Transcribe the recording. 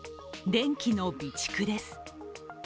電気の備蓄です。